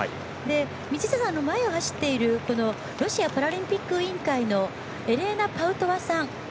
道下さんの前を走っているロシアパラリンピック委員会のエレナ・パウトワさん。